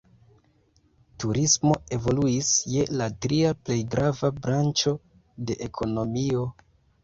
Turismo evoluis je la tria plej grava branĉo de ekonomio.